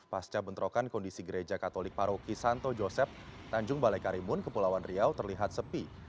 pasca bentrokan kondisi gereja katolik paroki santo joseph tanjung balai karimun kepulauan riau terlihat sepi